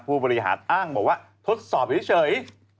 ผู้บริหารอ้างบอกว่าทดสอบเฉย